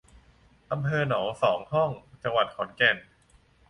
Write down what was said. อำเภอหนองสองห้อง จังหวัดขอนแก่น